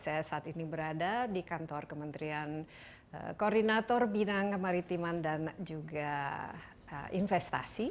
saya saat ini berada di kantor kementerian koordinator bidang kemaritiman dan juga investasi